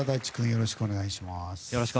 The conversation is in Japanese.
よろしくお願いします。